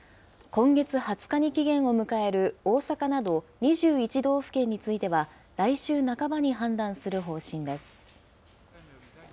今月２０日に期限を迎える大阪など、２１道府県については来週半ばに判断する方針です。